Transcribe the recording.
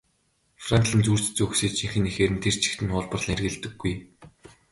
Франклин зүйр цэцэн үгсийг жинхэнэ эхээр нь тэр чигт нь хуулбарлан хэрэглэдэггүй.